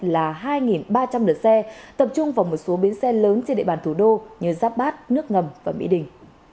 là hai ba trăm linh lượt xe tập trung vào một số bến xe lớn trên địa bàn thủ đô như giáp bát nước ngầm và mỹ đình